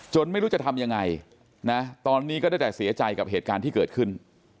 ไม่รู้จะทำยังไงนะตอนนี้ก็ได้แต่เสียใจกับเหตุการณ์ที่เกิดขึ้น